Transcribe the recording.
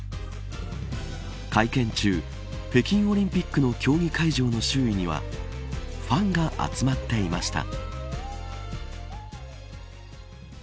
会見中、北京オリンピックの競技会場の周囲にはファンが集まっていました。